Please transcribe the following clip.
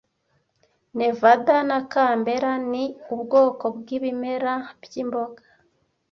Nevada na Canberra ni ubwoko bwibimera byimboga